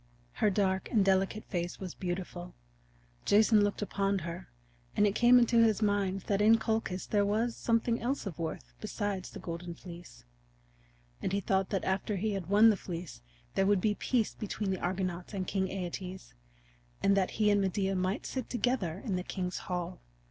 Her dark and delicate face was beautiful. Jason looked upon her, and it came into his mind that in Colchis there was something else of worth besides the Golden Fleece. And he thought that after he had won the Fleece there would be peace between the Argonauts and King Æetes, and that he and Medea might sit together in the king's hall.